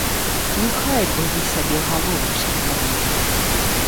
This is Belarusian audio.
Няхай бы вы сабе галовачкі пабілі.